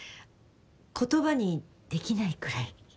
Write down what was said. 言葉にできないくらい。